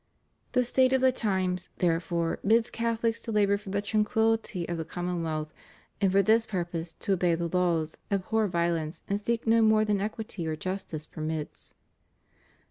The state of the times, therefore, bids Catholics to labor for the tranquillity of the common wealth, and for this purpose to obey the laws, abhor violence, and seek no more than equity or justice permits.